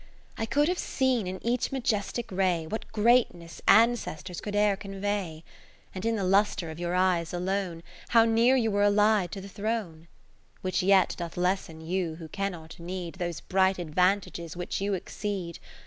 I could have seea in each majestic ray, What greatness ancestors could e'er convey ; And in the lustre of your eyes alone, How near you were allied to the Throne : Which yet doth lessen you, who cannot need Those blight advantages which you exceed.